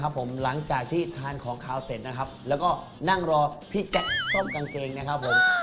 ผมหลังจากที่ทานของขาวเสร็จนะครับแล้วก็นั่งรอพี่แจ็คส้มกางเกงนะครับผม